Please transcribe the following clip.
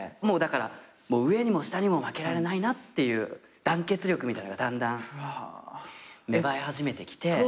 だから上にも下にも負けられないなっていう団結力みたいなのがだんだん芽生え始めてきて。